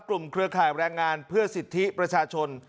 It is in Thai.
เครือข่ายแรงงานเพื่อสิทธิประชาชน